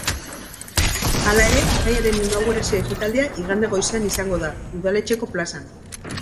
Hala ere, jaiaren inaugurazio ekitaldia igande goizean izango da, udaletxeko plazan.